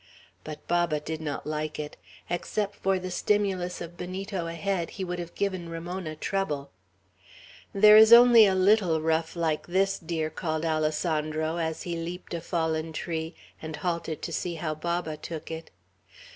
But Baba did not like it. Except for the stimulus of Benito ahead, he would have given Ramona trouble. "There is only a little, rough like this, dear," called Alessandro, as he leaped a fallen tree, and halted to see how Baba took it.